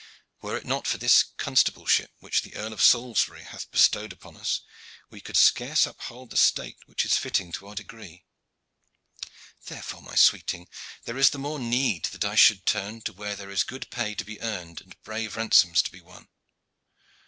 Were it not for this constableship which the Earl of Salisbury hath bestowed upon us we could scarce uphold the state which is fitting to our degree. Therefore, my sweeting, there is the more need that I should turn to where there is good pay to be earned and brave ransoms to be won."